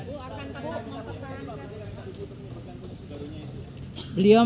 bu akan tetap mempercayakan kebijakan atau adakan perubahan perubahan polisi